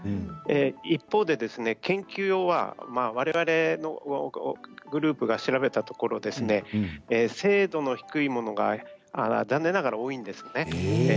一方で研究用はわれわれのグループが調べたところ精度の低いものが残念ながら多いんです。